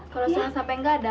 kalau sona sampai gak ada